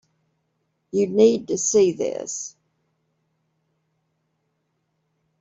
You need to see this.